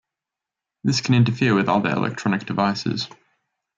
This can interfere with other electronic devices.